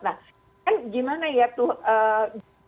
nah kan gimana ya tuh